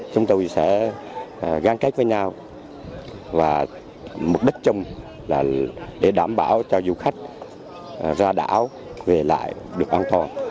chúng tôi sẽ gắn kết với nhau và mục đích chung là để đảm bảo cho du khách ra đảo về lại được an toàn